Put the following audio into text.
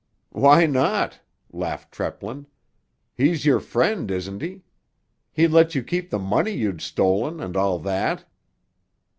"Why not?" laughed Treplin. "He's your friend, isn't he? He let you keep the money you'd stolen, and all that."